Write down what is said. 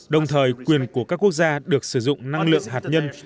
đồng thời quyền của các quốc gia được sử dụng năng lượng hạt nhân